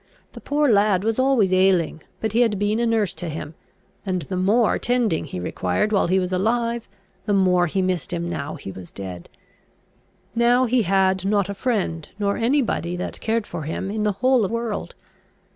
The poor lad was always ailing, but he had been a nurse to him; and the more tending he required while he was alive, the more he missed him now he was dead. Now he had not a friend, nor any body that cared for him, in the whole world.